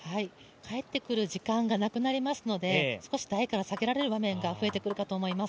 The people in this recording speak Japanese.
返ってくる時間がなくなりますので、少し台から下げられる部分も出てくると思います。